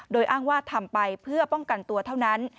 โดยอ้างว่าทำไปเพื่อป้องกันตัวเท่านั้น